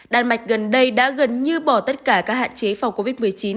đan mạch gần đây đã gần như bỏ tất cả các hạn chế phòng covid một mươi chín